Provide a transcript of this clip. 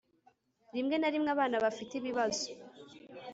rimwe na rimwe abana bafite ibibazo